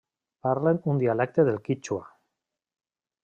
Parlen un dialecte del quítxua.